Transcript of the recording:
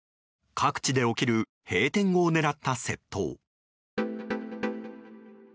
各地で起きる閉店後を狙った窃盗。